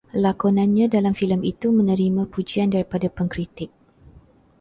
Lakonannya dalam filem itu menerima pujian daripada pengkritik